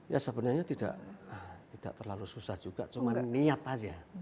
ya sebenarnya tidak terlalu susah juga cuma niat aja